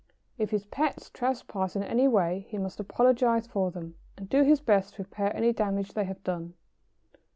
If his pets trespass in any way he must apologise for them, and do his best to repair any damage they have done.